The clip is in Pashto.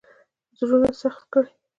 زړونه سخت کړي.